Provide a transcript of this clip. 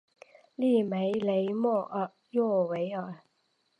利梅雷默诺维尔。